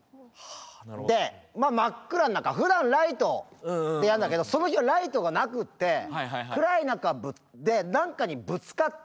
で真っ暗ん中ふだんライトでやんだけどその日はライトがなくって暗い中で何かにぶつかって。